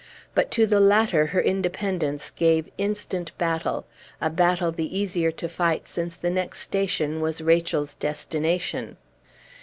But to the latter her independence gave instant battle a battle the easier to fight since the next station was Rachel's destination.